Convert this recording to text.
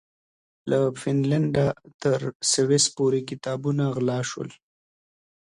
له فنلنډه تر سويس پورې کتابونه غلا شول.